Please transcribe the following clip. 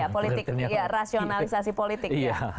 politik ya rasionalisasi politik